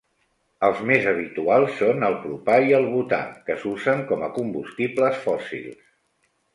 Els més habituals són el propà i el butà, que s'usen com a combustibles fòssils.